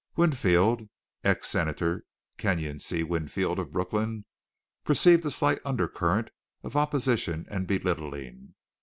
Winfield (ex Senator Kenyon C. Winfield, of Brooklyn) perceived a slight undercurrent of opposition and belittling.